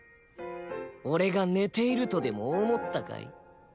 俺が寝ているとでも思ったかい？